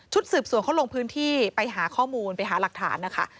สืบสวนเขาลงพื้นที่ไปหาข้อมูลไปหาหลักฐานนะคะ